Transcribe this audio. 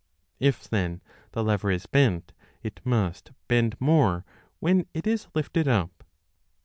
1 If, then, the lever is bent, it must bend more when it is lifted up.